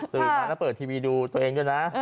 ตื่นมาแล้วเปิดทีวีดูตัวเองด้วยนะ